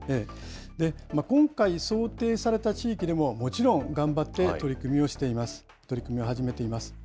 今回、想定された地域でも、もちろん頑張って取り組みをしています、取り組みを始めています。